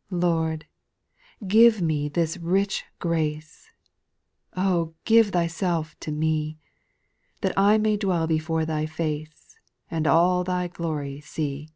' 9. ' Lord ! give me this rich grace I Oh, give Thyself to me, That I may dwell before Thy face, And all Thy glory see.